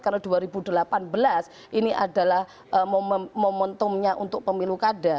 karena dua ribu delapan belas ini adalah momentumnya untuk pemilu kada